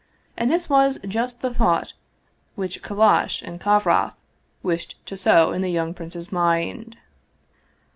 And this was just the thought which Kallash and Kovroff wished to sow in the young prince's mind.